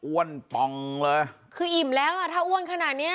ปองเลยคืออิ่มแล้วอ่ะถ้าอ้วนขนาดเนี้ย